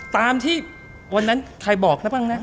ตามที่วันนั้นคลายบอกนะบ้างป่ะ